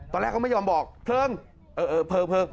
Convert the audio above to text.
ตอนแรกเขาไม่ยอมบอกเพลิงเออเออเพลิงเพลิง